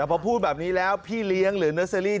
พอพูดแบบนี้แล้วพี่เลี้ยงหรือเนอร์เซอรี่